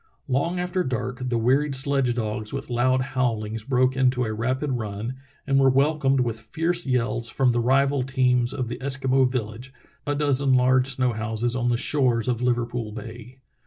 Long after dark the wearied sledge dogs with loud bowlings broke into a rapid run, and were welcomed with fierce yells from the rival teams of the Eskimo vil lage, a dozen large snow houses on the shores of Liver pool Bay.